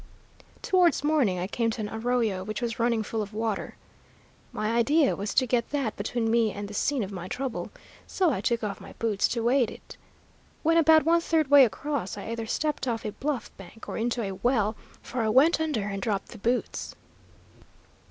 "Towards morning I came to an arroyo which was running full of water. My idea was to get that between me and the scene of my trouble, so I took off my boots to wade it. When about one third way across, I either stepped off a bluff bank or into a well, for I went under and dropped the boots.